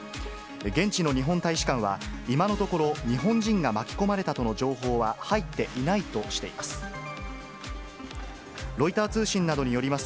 現地の日本大使館は、今のところ、日本人が巻き込まれたとの情報は入っていないとしています。